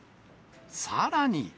さらに。